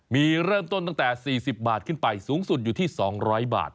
มีเริ่มต้นตั้งแต่๔๐บาทขึ้นไปสูงสุดอยู่ที่๒๐๐บาท